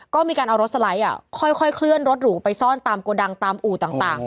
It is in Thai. ก็มีการเอารถสไลด์ค่อยเคลื่อนรถหรูไปซ่อนตามโกดังตามอู่ต่าง